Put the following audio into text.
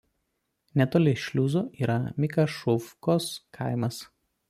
Netoli šliuzo yra Mikašuvkos kaimas.